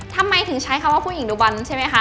ทำไมถึงใช้คำว่าผู้หญิงดูบอลใช่ไหมคะ